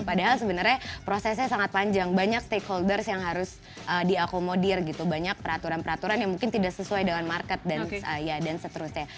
padahal sebenarnya prosesnya sangat panjang banyak stakeholders yang harus diakomodir gitu banyak peraturan peraturan yang mungkin tidak sesuai dengan market dan seterusnya